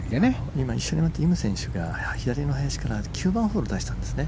今、一緒に回っているイム選手が左の林から９番ホールに出したんですね。